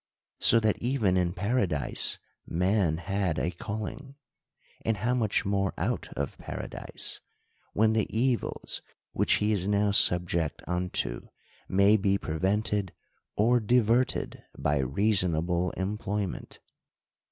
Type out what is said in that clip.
So that even in paradise man had a calling ; and how much more out of paradise ? when the evils which he is now subject unto, may be prevented or diverted by reasonable employment.